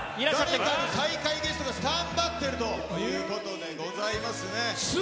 誰かの再会ゲストがスタンバってるということでございますね。